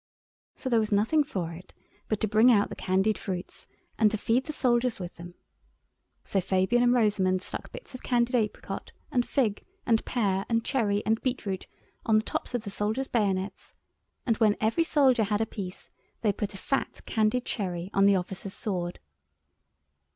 So there was nothing for it but to bring out the candied fruits, and to feed the soldiers with them. So Fabian and Rosamund stuck bits of candied apricot and fig and pear and cherry and beetroot on the tops of the soldiers' bayonets, and when every soldier had a piece they put a fat candied cherry on the officer's sword.